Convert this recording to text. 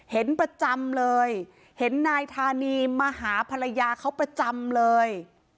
เห็นประจำเลยเห็นนายธานีมาหาภรรยาเขาประจำเลย